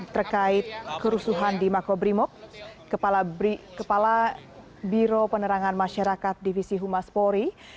terkait kerusuhan di makobrimob kepala biro penerangan masyarakat divisi humas polri